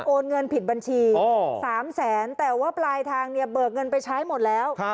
โอนเงินผิดบัญชี๓แสนแต่ว่าปลายทางเนี่ยเบิกเงินไปใช้หมดแล้ว